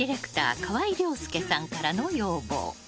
河合亮輔さんからの要望。